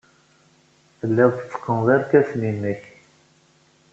Telliḍ tetteqqneḍ irkasen-nnek.